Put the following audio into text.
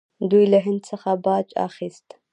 دوی له هند څخه باج اخیست